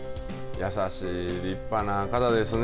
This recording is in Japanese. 優しい立派な方ですね。